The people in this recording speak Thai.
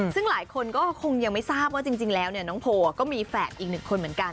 ซึ่งหลายคนก็คงยังไม่ทราบว่าจริงแล้วน้องโพก็มีแฝดอีกหนึ่งคนเหมือนกัน